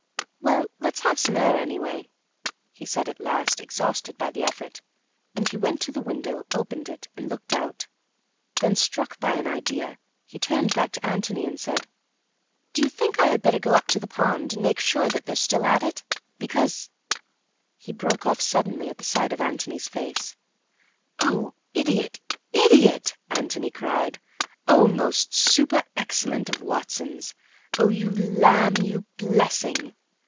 "Well, let's have some air, anyway," he said at last, exhausted by the effort, and he went to the window, opened it, and looked out. Then, struck by an idea, he turned back to Antony and said, "Do you think I had better go up to the pond to make sure that they're still at it? Because—" He broke off suddenly at the sight of Antony's face. "Oh, idiot, idiot!" Antony cried. "Oh, most super excellent of Watsons! Oh, you lamb, you blessing!